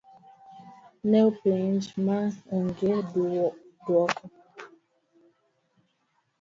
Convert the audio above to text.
Nopenjo ma ong'e duoko.